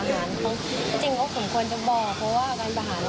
มันลับเป็นไม่ได้